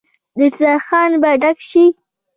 دسترخان به ډک شي.